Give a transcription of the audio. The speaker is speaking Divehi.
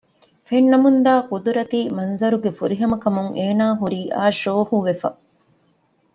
ފެންނަމުންދާ ޤުދުރަތީ މަންޒަރުގެ ފުރިހަމަކަމުން އޭނާ ހުރީ އާޝޯހުވެފަ